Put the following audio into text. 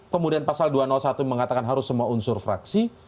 kemudian pasal dua ratus satu mengatakan harus semua unsur fraksi